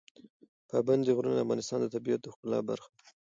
پابندی غرونه د افغانستان د طبیعت د ښکلا برخه ده.